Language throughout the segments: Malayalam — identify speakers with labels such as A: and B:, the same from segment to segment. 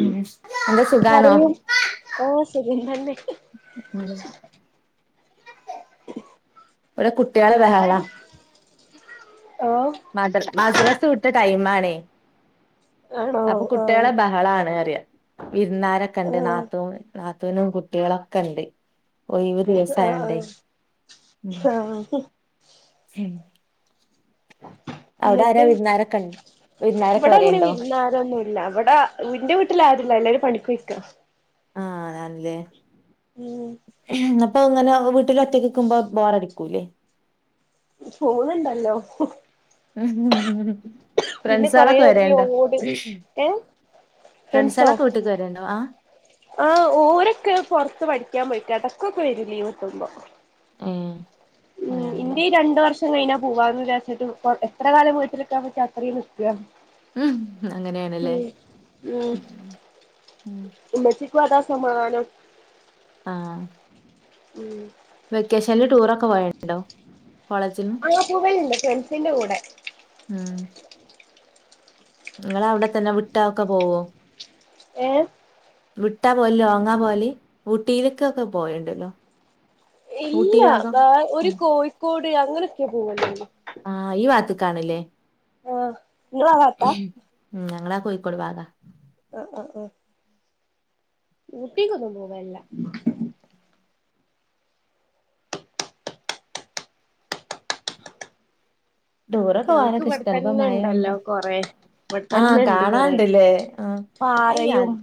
A: ഉം എന്താ സുഖാണോ
B: പറയു ഓ സുഖം തന്നെ.
A: ആരാ ഇവിടെ കുട്ടികളുടെ ബഹളാ.
B: ഓ
A: മദർ മദ്രാസ വിട്ട് ടൈം ആണേ.
B: ആണോ
A: അപ്പൊ
B: ആഹ്
A: കുട്ടികളെ ബഹളാണ് അറിയാം. വിരുന്ന് കാരയൊക്കെ ഒണ്ട്,
B: ആഹ്
A: നാത്തൂൻ നാത്തൂനും കുട്ടികളൊക്ക ഒണ്ട്. ഒഴിവ്
B: ആഹ്
A: ദിവസായോണ്ടേ
B: ആഹ്
A: ഉം
B: ആഹ്
A: ഉം. അവിടെ ആരാ
B: എന്നിട്ട്
A: വിരുന്നാരൊക്കെ ഉണ്ടോ?
B: ഇവിടെ അങ്ങനെ വിരുന്ന് കാരൊന്നുല്ല, ഇവിടെ ഇന്റെ വീട്ടില് ആരും ഇല്ല എല്ലാരും പണിക്ക് പോയ്ക്കാ.
A: ആഹ് അല്ലെ
B: ഉം
A: അപ്പൊ ഇങ്ങനെ വീട്ടില് ഒറ്റക്ക് നിൽക്കുമ്പോ ബോറടിക്കൂല്ലേ?
B: പോകുന്ന്ണ്ടല്ലോ മ് പിന്നെ കൊറേ
A: ഫ്രണ്ട്സാളൊക്കെ
B: എച്ച്പി
A: വരേണ്ടോ
B: ലോഡ് ഏ ഫ്രണ്ട്സോ
A: ഫ്രണ്ട്സാളൊക്കെ വീട്ടിക്ക് വരേണ്ടോ ആഹ്
B: ആഹ് ഓരൊക്കെ പൊറത്ത് പഠിക്കാൻ പൊയി കെടക്കൊക്ക വരും ലീവ് കിട്ടുമ്പോ
A: ആ
B: ഉം ഇൻൻ്റ്യേ രണ്ട് വർഷ് ഷം കഴിഞ്ഞാ പുവാന്ന് വിചാരിച്ച്ട്ട് പോട്ടെഎത്ര കാലം വീട്ടില് നിക്കാൻ പറ്റ്ആ അത്രീം നിക്കാ
A: ഉം
B: ഉം
A: അങ്ങനെയാണല്ലേ
B: ഉം
A: ഉം
B: ഉമ്മച്ചി ക്കു അതാ സമാധാനം
A: ആഹ്
B: ഉം
A: വെക്കേഷനിൽ ടൂറക്ക പോയൺണ്ടോ
B: ആഹ് പൂവലുണ്ട് ഫ്രണ്ട്സിന്റെ കൂടെ
A: ഉം നിങ്ങള് അവിട തന്ന വിട്ടാ ഒക്ക പോവോ
B: ഏ
A: വിട്ടാ പോല് ലോങ്ങാ പോലി ഊട്ടിയിലെക്കക്ക പോയിണ്ടല്ലോ ഊട്ടി
B: ഇല്ല
A: ഭാഗം
B: വ ഒരു
A: ഉം
B: കോഴിക്കോട് അങ്ങനെ ഒക്കേ പോവുല്ലോര്ന്ന്
A: കാണില്ലേ
B: ആഹ് ഇങ്ങളാ ഭാഗത്താ
A: ഉം ഞങ്ങളാ കോയിക്കോട് ഭാഗാ
B: അ അ ആഹ് ഊട്ടിക്കൊന്നും പോവല്ല
A: ദൂര
B: ഞങ്ങക്ക്
A: പോവാനൊക്ക ഇഷ്ടാണ് പ്പം
B: ഇവിടെത്തന്നെ
A: മഴ ആയോണ്ട്
B: ഇണ്ടല്ലോ കൊറേ
A: ആഹ്
B: ഇവിടെത്തന്നെ ഇണ്ട് കൊറേ
A: കാണാണ്ടില്ലേ ആഹ് അയ്യ്
B: പാറയും
A: അത്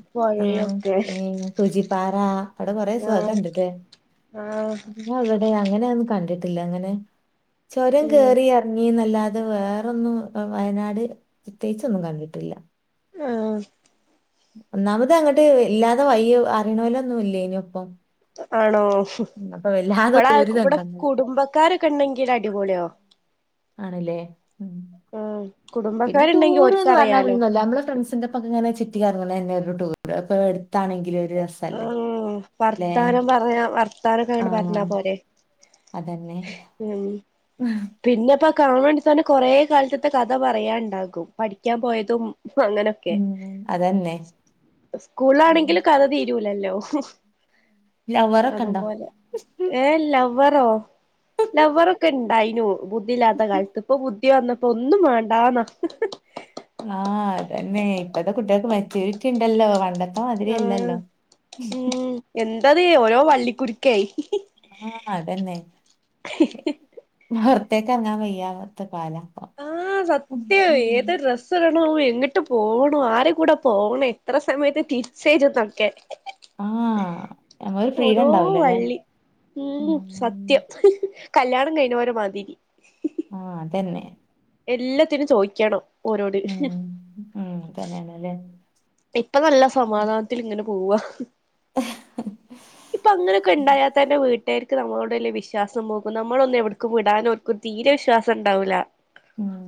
A: ആ
B: പൊഴയും ഒക്കെ
A: ഈ സൂചിപ്പാറ അവിടെ കൊറേ
B: ആഹ്
A: സൊഖണ്ട്ട്ടേ
B: ആഹ്
A: അവിടെ അങ്ങനെ ഒന്നും കണ്ടിട്ടില്ല അങ്ങനെ ചൊരം
B: ഉം
A: കേറിയ ന്നല്ലാതെ വേറൊന്നും വയനാട് പ്രത്യേകിച്ചൊന്നും കണ്ടിട്ടില്ല
B: ആഹ്
A: ഒന്നാമത് അങ്ങോട്ട് ഇല്ലാതെ വയ്യ് അറിയണോലോ ഒന്നും ഇല്ലേ ഇനി ഒപ്പം
B: ആണോ
A: ഉം അപ്പൊ വല്ലാതെ
B: ഇവിട ഇവിടെ
A: ദൂരതണ്ടന്ന്
B: കുടുംബക്കാരൊക്കെ ഉണ്ടെങ്കി ടി അടിപൊളിയൊ
A: ആണല്ലേ ഉം.
B: ആ
A: പിന്നെ ടൂർ ന്ന് പറഞ്ഞാ ഒന്നുല്ല നമ്മള് ഫ്രണ്ട്സിന്റെ ഒപ്പ ങ്ങനെ ചുറ്റി കറങ്ങനെന്നെ ടൂറുണ്ട് അപ്പൊ എടുത്താണെങ്കിൽ രസല്ലേ
B: ആഹ്
A: ല്ലേ
B: വർത്താനം പറഞ്ഞ വർത്താനൊക്കെ
A: ആ
B: അങ്ങട് പറഞ്ഞാ പോരെ
A: അതെന്നെ
B: പിന്നെപ്പോ കാണാനെങ്കി ത്തന്നെ കൊറേ കാലത്തത്തെ കഥ പറയൻണ്ടാകും പഠിക്കാൻ പോയതും അങ്ങനൊക്കെ
A: ഉം അതന്നെ. ഉം.
B: സ്കൂളിലാണെങ്കി കഥ തീര് രൂലല്ലോ
A: ലൗവറൊക്കെ ഉണ്ടോ?
B: അതുപോലെ ഏ ലൗവർ റോ ലവ്വ റൊക്കെ ഉണ്ടായിനു ബുദ്ധിയില്ലാത്ത കാലത്ത് ഇപ്പൊ ബു ദ്ധി വന്നപ്പോ ഒന്നും വേണ്ടന്നാ
A: ആ അതന്നെ ഇപ്പത്തെ കുട്ടികൾക്ക് മെച്ചൂരിറ്റി ഇ ണ്ടല്ലോ പണ്ടത്തെ ത്തെ മാതിരി അല്ലല്ലോ
B: ഇത്തത് ഓരോ വള്ളിക്കുരുക്കേയ്
A: ആഹ് അതന്നെ. റ്റക്ക് അറങ്ങാൻ വയ്യാത്ത കാലാ ഇപ്പൊ
B: ആ സത്യയ് ഏത്
A: ഉം.
B: ഡ്രസ്സ് ഇട ണം എങ്ങട്ട് പോണം, ആരെ കൂടെ പോണം, എത്ര സമയത്ത് തിരിച്ചെരുന്നൊക്കെ
A: ആ നമ്മളൊരു ഫ്രീഡം
B: ഓരോ
A: ഉണ്ടാവില്ല അല്ലേ
B: വള്ളി മ്
A: ഉം.
B: സത്യം. കല്യാണം കഴിഞ്ഞൊരെ മാതിരി.
A: ആ അതന്നെ.
B: എല്ലാത്തിനും ചോയിക്കണം ഓരോട്.
A: ഉം. ഉം, തന്നെയാണല്ലേ
B: ഇപ്പ നല്ല സമാധാനത്തിൽ ഇങ്ങനെ പോവാ. ഇപ്പോ അങ്ങനൊക്കെ ഇണ്ടായാത്തന്നെ വീട് ട്ടര്ക്ക് നമ്മളോട് വല്ലിയ വിശ്വാസം പോകും, നമ്മളൊന്നും എവിടക്കും വിടാനും ഓർക്ക് തീരെ വിശ്വാസം ഇണ്ടാവൂല.
A: ഉം.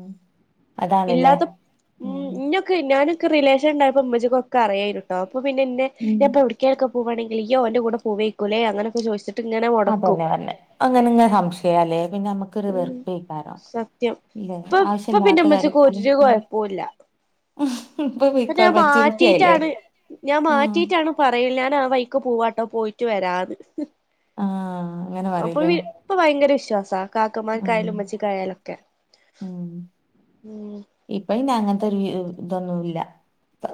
A: അതാണല്ലേ
B: ഇല്ലാത്തപ് മ്
A: ഉം.
B: ഇന്നൊക്കെ ഞാനും ക്ക് റിലേഷൻ ഇണ്ടായപ്പോ ഉമ്മച്ചിക്കൊക്കെ അറിയായിരുട്ടോ, അപ്പോ പിന്നെ എന്നെ
A: ഉം.
B: ഞാ ഇപ്പ എവിടേക്കേലൊക്കെ പ് പോവാണെങ്കിൽ ഇയ്യ് ഓന്റെ കൂടെ പോവേക്കുലെ അങ്ങനൊക്കെ ചോയ്ച്ച്
A: അതന്നെ ന്നെ അങ്ങനെ ഇങ്ങനെ സംശയാല്ലേ പിന്നെ നമ്മക് ങ്കര
B: ഉം
A: വെർപ്പെക്കാരം
B: സത്യം
A: ഇല്ലേ
B: ഇപ്പൊ
A: ആവശ്യ
B: ഇപ്പൊ പിന്നെ
A: ഇല്ലാത്ത
B: ഉമ്മച്ചിക്ക്
A: കാര്യത്തില്
B: ഒരു
A: മ്
B: കൊഴപ്പൂല്ല [unintelligible] ഞാൻ
A: ആയില്ലേ
B: മാറ്റിറ്റാണ് ഞാൻ
A: ഉം.
B: മാറ്റിറ്റാണ് പറയുല ഞാൻ ആ വൈക്ക് പോവാട്ടോ പോയിട്ട് വരാന്ന്.
A: ആ അങ്ങനെ
B: അപ്പോ
A: പറയില്ലേ
B: വി ഇപ്പ ഭയങ്കര വിശ്വാസാ
A: ഉം.
B: കാക്കമാർക്കായാലും ഉമ്മച്ചിക്കായാലൊക്കെ.
A: ഇപ്പ അയ്ന് അങ്ങനത്തെ ഒര് വ് ഇതൊന്നു വീ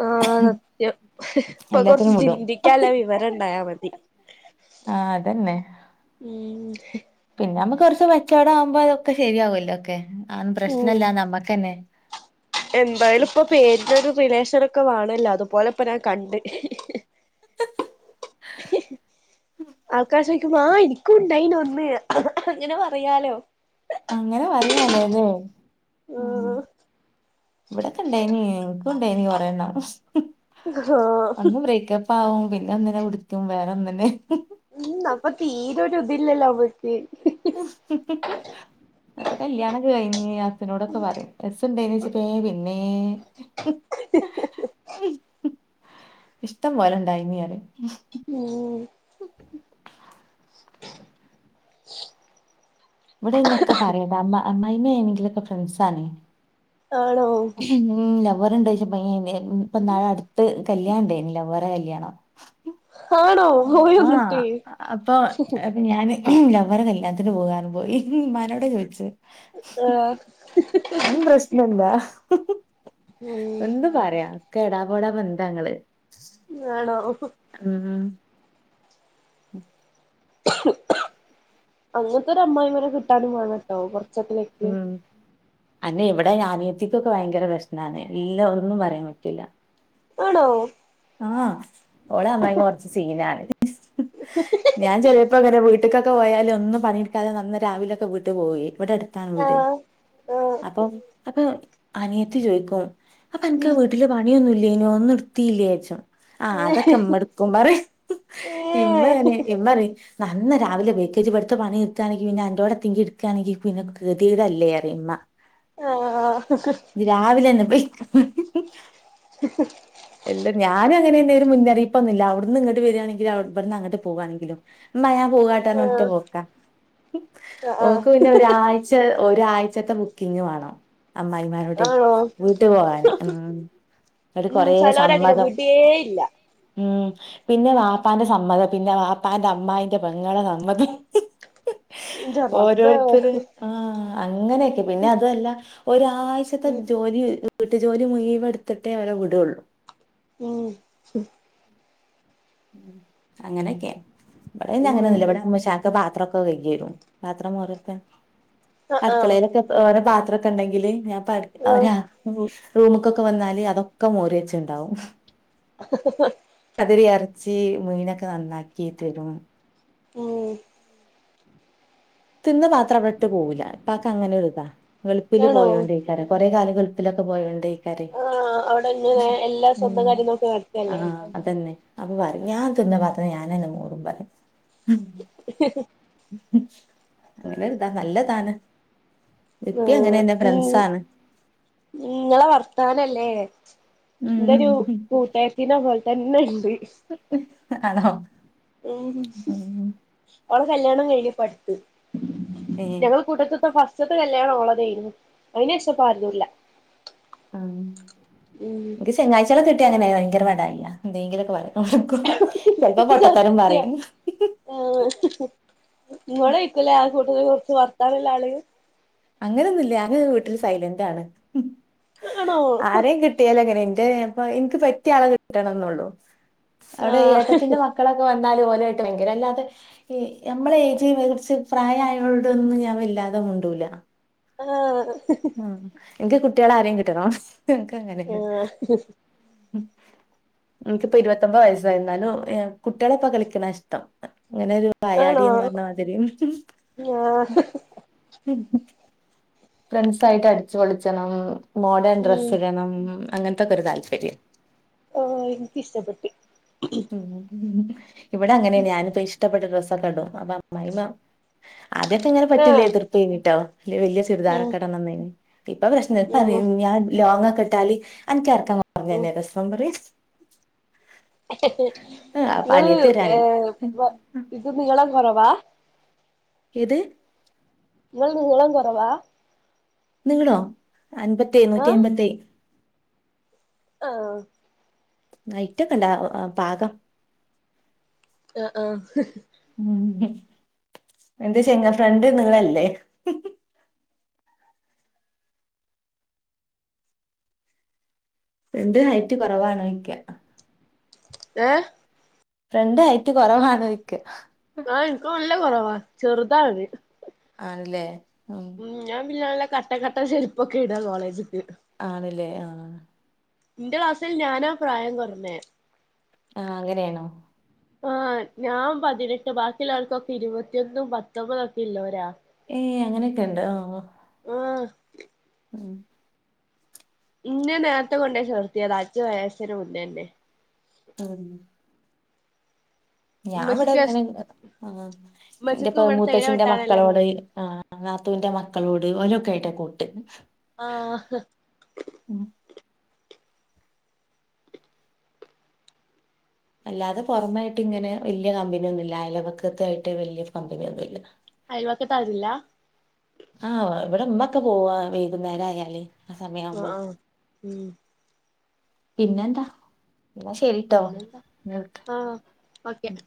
B: ആ സത്യം ഇപ്പോ കൊറച്ച്
A: എല്ലാത്തിനും വിടും
B: ചിന്തിക്കാനുള്ള വിവരം ഇണ്ടായാ മതി.
A: ആ അതെന്നെ.
B: ഉം
A: പിന്നെ നമ്മക്ക് കൊറച്ച് മെച്ചേർഡ് ആവുമ്പോ ഇതൊക്കെ ശെരിയാവല്ലോ ഒക്കെ, ആ ന്നും
B: ഉം
A: പ്രശ്നല്ല നമ്മക്കന്നെ.
B: എന്തായാലും ഇപ്പോ പേരിനൊരു റിലേഷനൊക്കെ വാണല്ലോ അതുപോലെ ഇപ്പ ഞാൻ കണ്ട്. ആൾക്കാർ ചോദിക്കുമ്പോ ആ എനിക്കും ഉണ്ടായിന ഒന്ന് അങ്ങനെ പറയാലോ.
A: അങ്ങനെ പറയാലേലെ മ്
B: ആഹ്
A: ഇവിടൊക്കെ ഇണ്ടായിനി എൻക്കും ഇണ്ടായിനി കൊറേണ്ണം.
B: ആഹ്
A: ഒന്ന് ബ്രേക്കപ്പാവും പിന്നെ ഒന്നിനെ പുടിക്കും വേറെ ഒന്നിനെ
B: ഉം അപ്പോ തീരൊരു ഇതില്ല ലവ്വ്
A: അപ്പോ കല്യാണൊക്കെ കഴിഞ്ഞ് ഹസ്നോടൊക്കെ പറയും, എസ് ഇണ്ടായിനോ ച്ച് ഏ പിന്നെ ഇഷ്ടം പോലെ ഇണ്ടായിനി പറയും.
B: മ്
A: [unintelligible] ഇവടെ പിന്നെ ഒക്കെ പറയും, കാരണം അമ്മ അമ്മായിമ്മേണെങ്കിലൊക്കെ ഫ്രണ്ട്സാണ്.
B: ആണോ
A: മ് [unintelligible] വേറെണ്ട്ച്ച [unintelligible] ഇപ്പ ന്നാള് അട്ത്ത് കല്യാണണ്ടനി ലവ്വറെ കല്യാണം.
B: ആണോ
A: അ
B: പോയി
A: ആ
B: വന്നിട്ട്
A: അപ്പോ അപ്പ ഞാന് ലവ് അവരെ കല്യാത്തിന് പോകാന്ന്റയുമ്പോ ഇമ്മാനോട് ചോയ്ച്ചു
B: ആഹ്
A: ആന്നും പ്രശ്നല്ല.
B: ഉം
A: എന്തും പറിയാ ഒക്കെ എടാപോടാ ബന്ധങ്ങള്
B: ആണോ.
A: മ് മ്
B: അങ്ങൻത്തെ ഒര് അമ്മായിയമ്മനെ കിട്ടാനും വാണട്ടോ കൊർ ച്ചൊക്കെ ലക്ക്.
A: അന് ഇവടെ അയ്‌ന് അനിയത്തിക്കൊക്കെ വയങ്കര പ്രശ്നാണ്, ഇല്ല ഒന്നും പറയാൻ പറ്റൂല്ല.
B: ആണോ.
A: ആ ഓളെ അമ്മായിമ്മ കൊർച്ച് സീനാണ്, ഞാൻ ചെൽപ്പോങ്ങനെ വീട്ട്കൊക് ക്കെ പോയാലും ഒന്നും പണിട്ക്കാതെ നന്ന രാവിലൊക്കെ വീട്ട് പോവേ. ഇവടെ അടുത്താണ് വീടെയ്
B: ആഹ് ആഹ്
A: അപ്പൊ അപ്പൊ അനിയത്തി ചോയ്ക്കും അപ്പൊ എൻക്ക്
B: ഉം
A: വീട്ടില് പണിയൊന്നുല്ല്യേനോ ഒന്നും ഇട്ത്തീല്ല്യേ ച്ചും ആ
B: ഏഹ്
A: അതൊക്കെമ്മട്ക്കും പറിം
B: ഏഹ്
A: ഇമ്മതന്നേ ഇമ്മറിം നന്ന രാവിലെ പൊയ്ക്കോ ജ്ജ്. ബട്ത്തെ പണിട് ക്കാണെങ്കി പിന്നെ അന്റോടെ തെങ്കിലും ട്ക്കാണെങ്കി പിന്നെ കെതേടല്ലേ അറിം മ്മ
B: ആഹ്
A: രാവിലെ ന്നെ പോയിക്കൊ
B: [unintelligible]
A: അല്ല ഞാന് അങ്ങനെന്നെ. ഒരു മുന്നറിയിപ്പൊന്നില്ല അവ്ട്ന്ന് ഇങ്ങട്ട് വരാണെങ്കിലും ഇബട്ന്ന് അങ്ങട്ട് പോവാണെങ്കിലും മ്മ ഞാ പോവാട്ടോന്ന്പർഞ്ഞ്ഒറ്റ
B: ആഹ്
A: പോക്ക.
B: ആ ആ
A: ഓക്ക് പിന്നെ ഒരായ്ച്ച ഒരായ്ച്ചത്തെ ബുക്കിംഗ് വാണം അമ്മായിമ്മാനോടെയ്
B: ആണോ
A: വീട്ട് പോവാന് ഉം ഒരു
B: ചാലോലങ്ങനെ വിടേ ഇല്ല
A: ഉം പിന്നെ വാപ്പാന്റെ സമ്മതം. പിന്നെ വാപ്പാന്റെ അമ്മായിന്റെ പെങ്ങളെ സമ്മതം
B: ന്റെ റബ്ബേ
A: ഓരോര്ത്തര്
B: ഉം
A: ആ അങ്ങനെക്കെ. പിന്നെ അതൊല്ല ഒരാഴയ്ച്ചത്തെ ജോലി വീട്ടു ജോലി മുയ് വം ട്ത്തിട്ടേ അവരെ വിടൊള്ളൂ
B: ഉം
A: അങ്ങനൊക്കെ. ഇബടെന്ന അങ്ങനെ ഒന്നുല്ല.
B: ഉം
A: ഇവടെ അമ്മോശാക്ക പാത്രഒക് പ്പ കൈകിരും പാത്രം മോറിഒക്കെ.
B: ആ ആ
A: അടുക്കളേലൊക്കെ ഓരോ പാത്രക്കെണ്ടെങ്കില് ഞ പ്പ
B: ആ
A: ഒരാ ശ് റൂമ്ക്കൊക്കെ വന്നാല് അതൊക്കെ മോറി വെച്ചുണ്ടാവും
B: [unintelligible]
A: തിരി എർച്ചി മീനൊക്കെ നന്നാക്കി തരും
B: ഉം
A: തിന്ന് പത്രംഅവ്ടെ ഇട്ട് പോവൂല. പ്പാക്ക് അങ്ങനെ ഒരു ഇതാ. ഗൾപ്പില്
B: ആണോ
A: പോയോണ്ടേയ്ക്കാരം. കൊറേ കാല ഗൾപ്പിലൊക്കെ പോയോണ്ടേയ്
B: ആഹ്. അവ്ടെ ഇന്ന് വേ എല്ലാ സ്വന്തം കാര്യം നോക്കി നടത്തല്ലേ
A: ആഹ് അതന്നെ അപ്പൊ പറിം. ഞാ തിന്ന പാത്രം ഞാനന്നെ മോറും പറിം
B: [unintelligible]
A: നല്ല ഇതാ നല്ലതാണ്
B: ആ
A: ഇപ്പി അങ്ങനെന്നെ
B: ഈ
A: ഫ്രണ്ട്സാണ്
B: ഇങ്ങളെ വർത്താനല്ലേ ന്റെ ഒരു കൂട്ടേര്ത്തിന്റെ പോല്തന്നെണ്ട്
A: ആണോ
B: ഉം.
A: ഉം
B: ഓളെ കല്യാണം കയിഞ്ഞു പ്പട്ത്ത്
A: ഏഹ്
B: ഞങ്ങൾ കൂട്ടത്ത്ത്തെ ഫസ് ത്തെ കല്യാണം ഓളതായിരുന്നു അതിനു ശേഷംപ്പം ആരുതുല്ല
A: ആ എനിക്ക് ചങ്ങായിച്ചികളെ കിട്ടി അങ്ങനെ ഭയങ്കര ബഡായിയ എന്തെങ്കിലുംക്കെ പറയും ചിലപ്പോ പൊട്ടത്തരും പറയും
B: ങ്ങളെയികുലേ ആ കൂട്ടകുറച്ച് വർത്താനള്ള ആള്
A: അങ്ങനെന്നുംല്ല ഞാന് വീട്ടിൽ സൈലന്റ് ആണ്
B: ആണോ
A: ആരെയും കിട്ടിയൽ അങ്ങനെ എനിക്ക് പറ്റിയ ആള കിട്ടണം എന്നള്ളു അവിടെ
B: ആഹ്
A: ഏട്ടത്തിന്റെ മക്കളൊക്കെ വ അല്ലാതെ നമ്മളെ ഏജ് പ്രായമായോടൊന്നും ഞാൻ വെല്ലാതെ മുണ്ടൂല
B: ആ.....
A: ആ എനിക്ക് കുട്ടികൾ ആരെയും കിട്ടണം എൻക്ക് അങ്ങനെയണ്
B: ആഹ്
A: എനിക്കിപ്പോ ഇരുപത്തൊമ്പത് വയസായിന്നാലും കുട്ടികളെപ്പം കളിക്കണ ഇഷ്ടം അങ്ങനെരു
B: ആണോ
A: വായാടിന്ന് പറഞ്ഞ മാതിരിം
B: ആഹ്
A: ഫ്രണ്ട്സ് ആയിട്ട് അടിച്ചു പൊളിച്ചണം മോഡേൺ
B: ഉം
A: ഡ്രെസ് ഇടണം അങ്ങ അങ്ങനത്തെക്കോരു താല്പര്യം
B: ആ എനിക്ക് ഇഷ്ടപ്പെട്ടു
A: ഉ ഇവിടെ അങ്ങനേണ് ഞാനിപ്പോ ഇഷ്ടപ്പെട്ട ഡ്രസ്സൊക്കെ ഇടും അപ്പൊ അമ്മായിമ്മ ആദ്യൊക്കെ ഇങ്ങന പറ്റുലെ
B: ആഹ്
A: എതിർപ്പേന്ന് ട്ടോ ഇല്യെ വല്ല്യ
B: ഉം
A: ചുരിദാരൊക്കെ ഇടണംന്നേന്ന് ഇപ്പൊ പ്രശ്നം
B: ഉം
A: പറയും ഞാൻ ലോങ്ങൊക്കെ ഇട്ടാല് അനക്ക് എറക്കം
B: ഉം
A: കൊറഞ്ഞതന്നെ രസം പറിം അപ്പൊ
B: ഇങ്ങള്
A: അനിയത്തി
B: ഏ
A: വരാന്
B: ഇത് നീളം കൊറവാ
A: ഏത്
B: ഇങ്ങള് നീളം കൊറവാ
A: നീളോ അൻപത്തേയ് നൂറ്റി അയ്മ്പത്തയ്
B: ആ
A: ഹൈറ്റ് ഒക്കെ ഉണ്ട് പാകാ
B: ആ ആ
A: എന്തച്ച ങ്ങ ഫ്രണ്ട് നീളല്ലേ ഫ്രണ്ട് ഹൈറ്റ് കൊറവാണോയ്ക്ക
B: ഏ
A: ഫ്രണ്ട് ഹൈറ്റ് കൊറവാണോയ്ക്ക
B: ആ ഇൻക്ക് നല്ല കൊറവാ ചെറുതാണത്
A: ആണ്‌ലേ
B: ഉം ഞാൻ പിന്നല്ല കട്ട കട്ട ചെരുപ്പൊക്കെ ഇടാ കോളേജ്ക്ക്
A: ആണ്ല്ലേ ആ
B: ഇന്റെ ക്ലാസ്സിൽ ഞാനാ പ്രായം കൊറഞ്ഞേ
A: ആ അങ്ങനേണോ
B: ആ ഞാൻ പതിനെട്ട് ബാക്കിയുള്ളവർക്കൊക്കെ ഇരുവത്തിയൊന്നും പത്തൊമ്പതൊക്കെ ഇള്ളോരാ
A: ഏ അങ്ങനെയൊക്കെ ഉണ്ട് ആ
B: ആ
A: ഉം
B: ഇന്നെ നേത്തെ കൊണ്ട ചേർത്തിയതാ അഞ്ചു വയസ്സിന് മുന്നേന്നെ
A: [unintelligible] ഞാൻ
B: ഉമ്മച്ചിക്ക്
A: ഇവിടെങ്ങനെ ആ എന്റെ
B: ഉമ്മച്ചിക്ക്
A: പ
B: ഇവിടെ തേയില
A: മൂത്തച്ച്ചിന്റെ
B: വെട്ടാനല്ലേ
A: മക്കളോട്
B: പണി
A: ആ [unintelligible] നാത്തൂന്റെ മക്കളോട് ഓലൊക്കെ ആയിട്ടാ കൂട്ട്
B: ആ
A: ഉം അല്ലാതെ പുറമായിട്ട് ഇങ്ങനെ വല്ല്യ കമ്പനിയൊന്നുംല്ല അയലവക്കത്ത ആയിട്ട് വല്ല്യ കമ്പനിയൊന്നുംല്ല
B: അയൽവക്കത്ത് ആരൂല്ല
A: ആ ഇവിടെ ഉമ്മൊക്കെ പോവാ വൈകുന്നേരം ആയാല് സമയം
B: ആ
A: ആവുമ്പോ
B: ആ ഉം
A: പിന്നെന്താ ഇന്നാ ശെരിട്ടോ
B: പിന്നെന്താ ആഹ് ഓക്കെ
A: ഉം